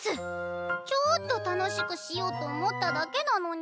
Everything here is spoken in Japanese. ちょっと楽しくしようと思っただけなのに。